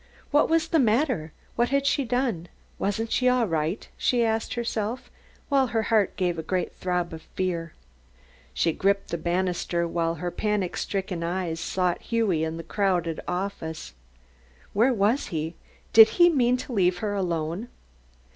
What was the matter? What had she done? Wasn't she all right? she asked herself, while her heart gave a great throb of fear. She gripped the bannister while her panic stricken eyes sought Hughie in the crowded office. Where was he? Did he mean to leave her alone?